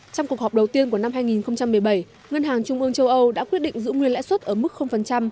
trong cuộc họp đầu tiên của năm hai nghìn một mươi bảy ngân hàng trung ương châu âu đã quyết định giữ nguyên lãi suất ở mức